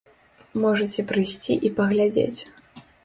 Можаце прыйсці і паглядзець.